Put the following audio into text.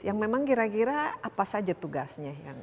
yang memang kira kira apa saja tugasnya